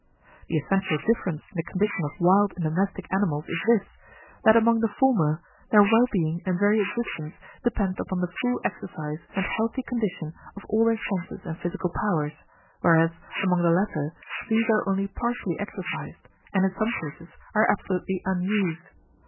The essential difference in the condition of wild and domestic animals is this, that among the former, their well being and very existence depend upon the full exercise and healthy condition of all their senses and physical powers, whereas, among the latter, these are only partially exercised, and in some cases are absolutely unused.